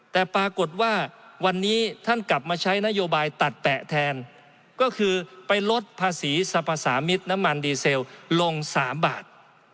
แต่ปรากฏว่าวันนี้ท่านกลับมาใช้นโยบายตัดแปะแทนก็คือไปลดภาษีสรรพสามิตรน้ำมันดีเซลลง๓บาท